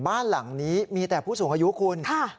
บ้านหลังนี้มีแต่ผู้สูงอายุคุณ